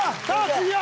次は？